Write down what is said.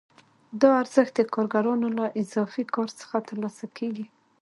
دا ارزښت د کارګرانو له اضافي کار څخه ترلاسه کېږي